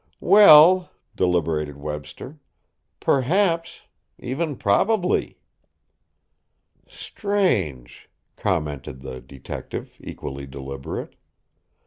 "Well," deliberated Webster, "perhaps; even probably." "Strange," commented the detective, equally deliberate.